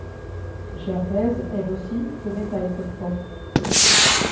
Gervaise, elle aussi, tenait à être propre.